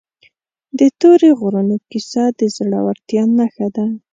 د تورې غرونو کیسه د زړورتیا نښه ده.